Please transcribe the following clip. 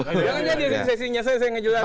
jangan jadi sesi saya ngejelasin